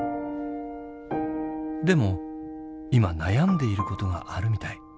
でも今悩んでいることがあるみたい。